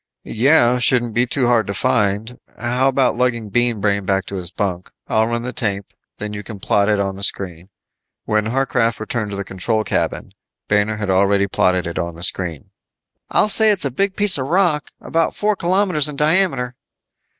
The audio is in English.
"Yeah. Shouldn't be too hard to find. How about lugging Bean Brain back to his bunk. I'll run the tape, then you can plot it on the screen." When Harcraft returned to the control cabin, Banner had already plotted it on the screen. "I'll say it's a big piece of rock! About four kilometers in diameter."